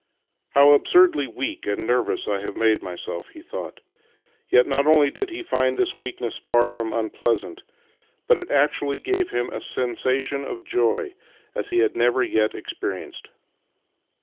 " How absurdly weak and nervous I have made myself," he thought. Yet not only did he find this weakness far from unpleasant, but it actually gave him a sensation of joy such as he had never yd experienced.